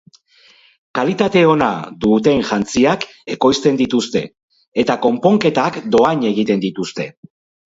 Kalitate ona duten jantziak ekoizten dituzte eta konponketak doahin egiten dituzte.